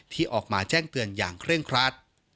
ที่ออกมาแจ้งเตือนอย่างเคร่งครัด